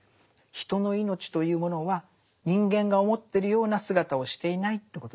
人の命というものは人間が思ってるような姿をしていないってことですよね。